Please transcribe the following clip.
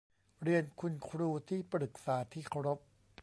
เรียนคุณครูที่ปรึกษาที่เคารพ